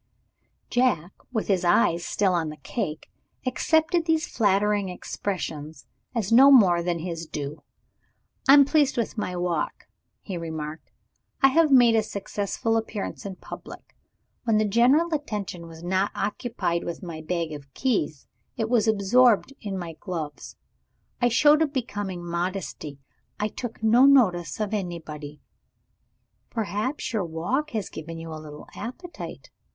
Jack (with his eyes still on the cake) accepted these flattering expressions as no more than his due. "I am pleased with my walk," he remarked. "I have made a successful appearance in public. When the general attention was not occupied with my bag of keys, it was absorbed in my gloves. I showed a becoming modesty I took no notice of anybody." "Perhaps your walk has given you a little appetite?"